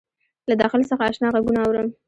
له داخل څخه آشنا غــږونه اورم